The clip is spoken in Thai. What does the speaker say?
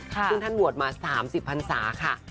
ซึ่งท่านบวชมา๓๐พันศาค่ะ